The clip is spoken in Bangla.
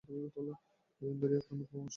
কয়দিন ধরিয়া ক্রমিক পরামর্শ চলিতে লাগিল।